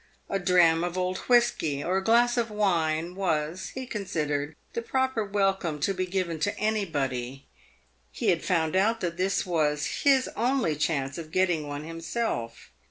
A dram of old whisky, or a glass of wine, was, he considered, the proper welcome to be given to any body. He had found out that this was his only chance of getting one himself.